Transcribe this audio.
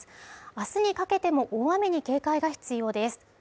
明日にかけても大雨に警戒が必要です。